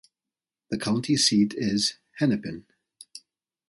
The county seat is Hennepin.